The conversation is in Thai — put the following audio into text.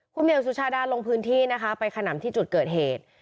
คุณเหี่ยวสุชาดาลงพื้นที่นะคะไปขนำที่จุดเกิดเหตุ